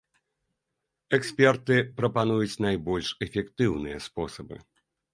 Эксперты прапануюць найбольш эфектыўныя спосабы.